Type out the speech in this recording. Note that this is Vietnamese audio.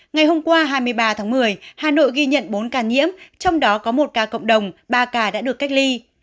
ngày hôm qua hai mươi ba tháng một mươi hà nội ghi nhận bốn ca nhiễm trong đó có một ca cộng đồng ba ca đã được cách ly